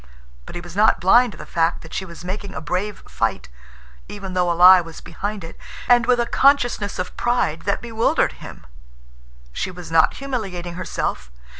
But he was not blind to the fact that she was making a brave fight, even though a lie was behind it, and with a consciousness of pride that bewildered him. She was not humiliating herself.